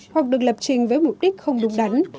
hoặc được lập trình với mục đích không đúng đắn